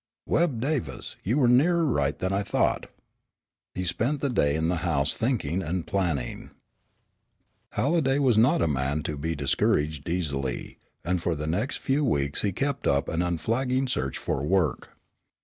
Webb Davis, you were nearer right than I thought." He spent the day in the house thinking and planning. PART III Halliday was not a man to be discouraged easily, and for the next few weeks he kept up an unflagging search for work.